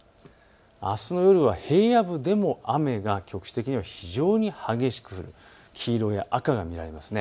あすの夜は平野部でも雨が局地的には非常に激しく、黄色や赤が見られます。